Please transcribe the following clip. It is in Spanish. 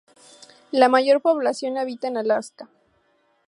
La mayor población habita en Alaska.